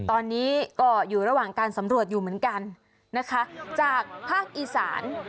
ตอนนี้ก็อยู่ระหว่างการสำรวจอยู่เหมือนกันนะคะจากภาคอีสาน